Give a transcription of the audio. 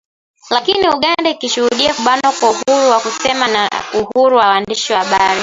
lakini Uganda ikishuhudia kubanwa kwa uhuru wa kusema na uhuru wa waandishi habari